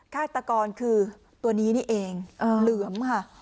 ฆาตกรคือตัวนี้นี่เองเหลือมค่ะ